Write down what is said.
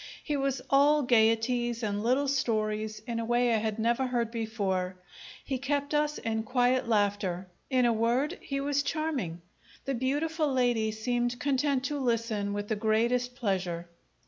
He was all gaieties and little stories in a way I had never heard before; he kept us in quiet laughter; in a word, he was charming. The beautiful lady seemed content to listen with the greatest pleasure.